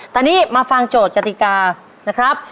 ตอนนี้มาฟังโจทย์กติกานะครับ